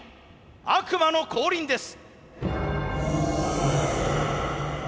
悪魔の降臨です。